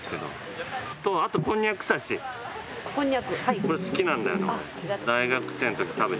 これ好きなんだよね俺。